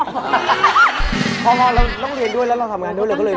พอแล้วต้องเรียนด้วยแล้วลองทำงานด้วยเลย